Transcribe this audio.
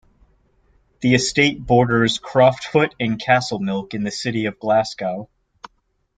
The estate borders Croftfoot and Castlemilk in the City of Glasgow.